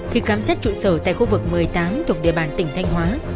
khi khám xét trụ sở tại khu vực một mươi tám thuộc địa bàn tỉnh thanh hóa